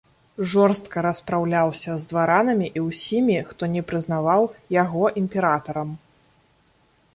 Жорстка распраўляўся з дваранамі і ўсімі, хто не прызнаваў яго імператарам.